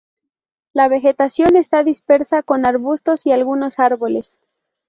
La vegetación está dispersa con arbustos y algunos árboles.